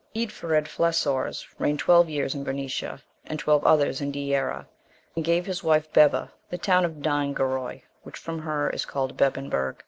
Eadfered Flesaurs reigned twelve years in Bernicia, and twelve others in Deira, and gave to his wife Bebba, the town of Dynguaroy, which from her is called Bebbanburg.